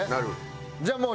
じゃあもう。